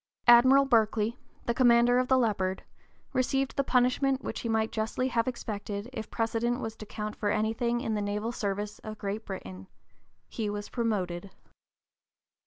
Admiral Berkeley, the commander of the Leopard, received the punishment which he might justly have expected if precedent was to count for anything in the naval service of Great Britain, he was promoted.